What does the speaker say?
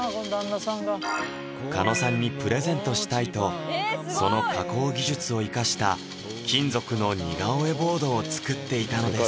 狩野さんにプレゼントしたいとその加工技術を生かした金属の似顔絵ボードを作っていたのです